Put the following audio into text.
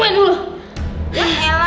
elah lo ribet amat